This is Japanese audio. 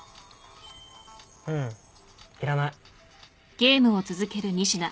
うんいらない。